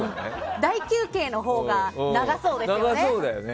大休憩のほうが長そうですよね。